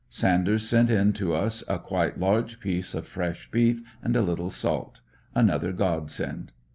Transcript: — Sanders sent in to us a quite large piece of fresh beef and a little salt; another God send.